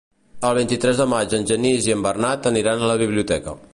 El vint-i-tres de maig en Genís i en Bernat aniran a la biblioteca.